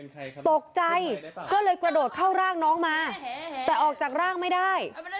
ตกใจก็เลยกระโดดเข้าร่างน้องมาแต่ออกจากร่างไม่ได้